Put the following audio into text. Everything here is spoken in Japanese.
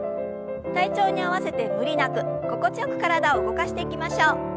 体調に合わせて無理なく心地よく体を動かしていきましょう。